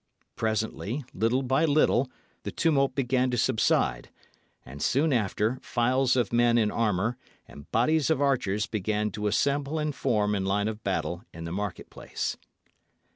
Presently, little by little, the tumult began to subside; and soon after, files of men in armour and bodies of archers began to assemble and form in line of battle in the market place.